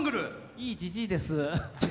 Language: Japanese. いいじじいです。